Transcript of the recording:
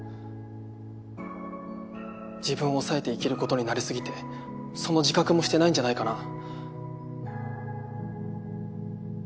自分を抑えて生きる事に慣れすぎてその自覚もしてないんじゃないかな。